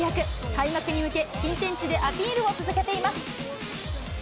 開幕に向け、新天地でアピールを続けています。